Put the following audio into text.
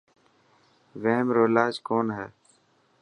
وحم رو علاج ڪونه هي.